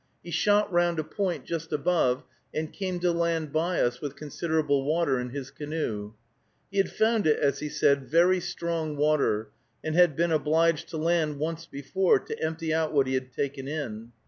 He shot round a point just above, and came to land by us with considerable water in his canoe. He had found it, as he said, "very strong water," and had been obliged to land once before to empty out what he had taken in.